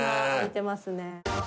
穴開いてますね。